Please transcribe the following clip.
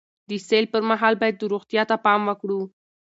د سیل پر مهال باید روغتیا ته پام وکړو.